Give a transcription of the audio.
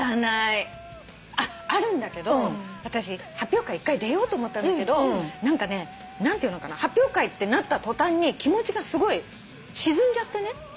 あっあるんだけど私発表会１回出ようと思ったんだけど何かね発表会ってなった途端に気持ちがすごい沈んじゃってね。